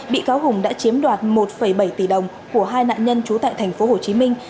bị cáo hùng đã chiếm đoạt một bảy tỷ đồng của hai nạn nhân trú tại thành phố hồ chí minh